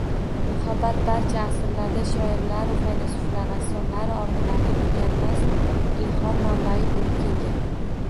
Muhabbat barcha asrlarda shoirlaru faylasuflar, rassomlaru olimlarning tuganmas ilhom manbai bo‘lib kelgan